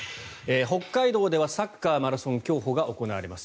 北海道ではサッカー、マラソン競歩が行われます。